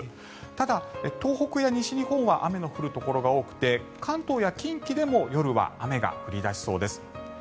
ただ、東北や西日本は雨の降るところが多くて関東や近畿でも夜は雨が降り出しそうです。